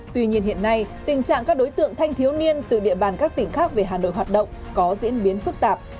tuy nhiên hiện nay tình trạng các đối tượng thanh thiếu niên từ địa bàn các tỉnh khác về hà nội hoạt động có diễn biến phức tạp